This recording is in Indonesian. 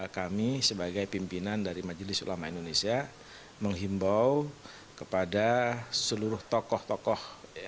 kami sebagai pimpinan dari majelis ulama indonesia menghimbau kepada seluruh tokoh tokoh